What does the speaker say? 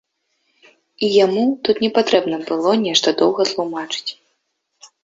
І яму тут не патрэбна было нешта доўга тлумачыць.